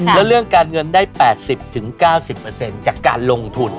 แล้วเรื่องการเงินได้๘๐๙๐จากการลงทุน